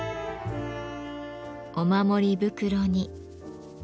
お守り袋に。